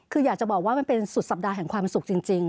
คืออยากจะบอกว่ามันเป็นสุดสัปดาห์แห่งความสุขจริง